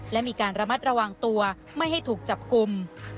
และมีการระมัดระวังตัวไม่ให้ถูกจับกลุ่ม